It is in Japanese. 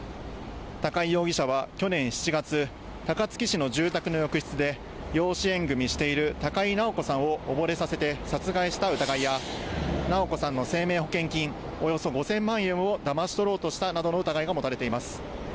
高井容疑者は去年７月、高槻市の住宅の浴室で、養子縁組みしている高井直子さんを溺れさせて殺害した疑いや、直子さんの生命保険金およそ５０００万円をだまし取ろうとしたなどの疑いが持たれています。